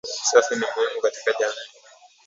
Usafi ni muhimu katika jamii